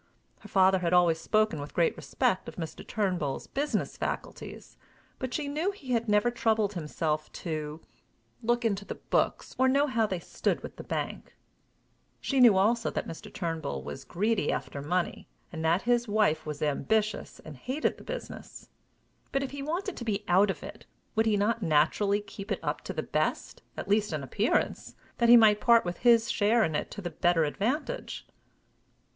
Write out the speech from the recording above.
Her father had always spoken with great respect of Mr. Turnbull's business faculties, but she knew he had never troubled himself to, look into the books or know how they stood with the bank. She knew also that Mr. Turnbull was greedy after money, and that his wife was ambitious, and hated the business. But, if he wanted to be out of it, would he not naturally keep it up to the best, at least in appearance, that he might part with his share in it to the better advantage?